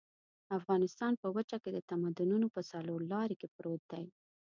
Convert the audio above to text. افغانستان په وچه کې د تمدنونو په څلور لاري کې پروت دی.